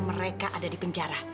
mereka di penjara